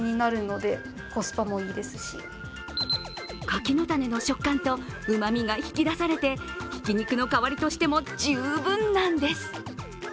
柿の種の食感とうまみが引き出されてひき肉の代わりとしても十分なんです。